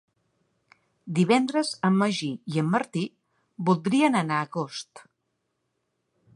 Divendres en Magí i en Martí voldrien anar a Agost.